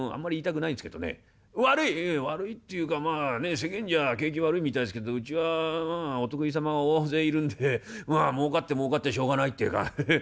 世間じゃ景気悪いみたいですけどうちはお得意様大勢いるんでまあもうかってもうかってしょうがないっていうかヘヘヘ！